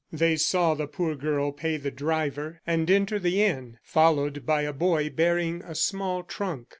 They saw the poor girl pay the driver, and enter the inn, followed by a boy bearing a small trunk.